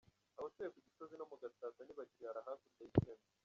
Abatuye ku Gisozi no mu Gatsata ntibakirara hakurya y’iteme